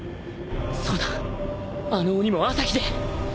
そうだあの鬼も朝日で